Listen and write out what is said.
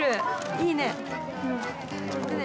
いいね。